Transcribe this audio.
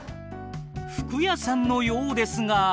服屋さんのようですが。